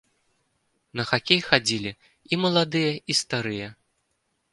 На хакей хадзілі і маладыя, і старыя.